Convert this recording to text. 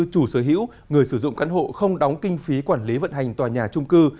chủ sở hữu người sử dụng căn hộ không đóng kinh phí quản lý vận hành tòa nhà trung cư